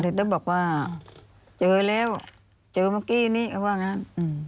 ถึงต้องบอกว่าเจอแล้วเจอเมื่อกี้นี้เขาว่างั้น